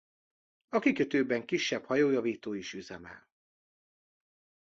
A kikötőben kisebb hajójavító is üzemel.